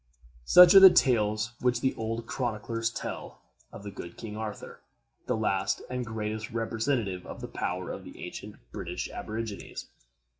Such are the tales which the old chronicles tell of the good King Arthur, the last and greatest representative of the power of the ancient British aborigines.